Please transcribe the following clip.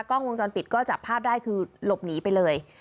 กล้องวงจรปิดก็จับภาพได้คือหลบหนีไปเลย